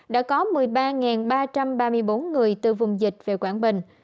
đã có một mươi ba ba trăm ba mươi bốn người từ vùng dịch về quảng bình